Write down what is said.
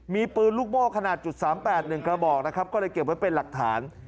มีปืนลูกโม่ขนาดจุดสามแปดหนึ่งกระบอกนะครับก็เลยเก็บไว้เป็นหลักฐาน